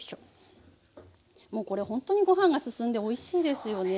もうこれほんとにご飯が進んでおいしいですよね。